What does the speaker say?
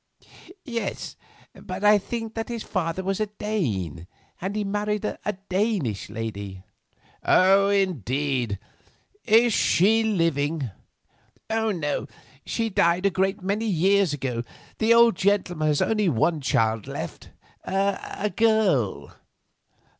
"Yes; but I think that his father was a Dane, and he married a Danish lady." "Indeed! Is she living?" "Oh, no. She died a great many years ago. The old gentleman has only one child left—a girl."